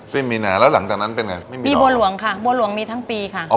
สิบมีนาแล้วหลังจากนั้นเป็นไงไม่มีมีบัวหลวงค่ะบัวหลวงมีทั้งปีค่ะอ๋อ